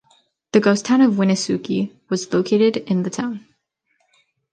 The ghost town of Winooski was located in the town.